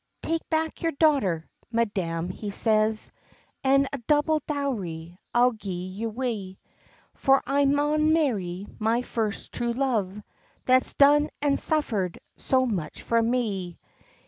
"Take back your daughter, madam," he says, "An a double dowry I'll gie her wi; For I maun marry my first true love, That's done and suffered so much for me."